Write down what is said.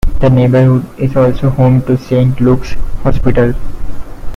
The neighborhood is also home to Saint Luke's Hospital.